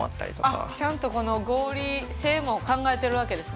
あっちゃんとこの合理性も考えてるわけですね。